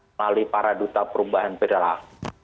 melalui para duta perubahan perilaku